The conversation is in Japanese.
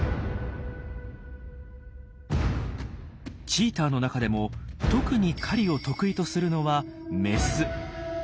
チーターの中でも特に狩りを得意とするのはメス。